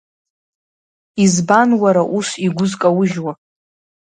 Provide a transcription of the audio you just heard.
Избан, уара, ус игәы зкаужьуа!